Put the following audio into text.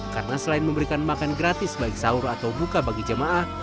karena selain memberikan makan gratis baik sahur atau buka bagi jemaah